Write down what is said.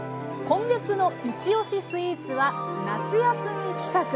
今月の「いちおしスイーツ」は夏休み企画。